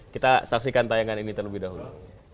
kita saksikan tayangan ini terlebih dahulu